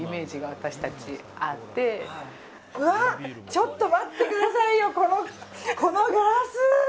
ちょっと待ってくださいよこのグラス！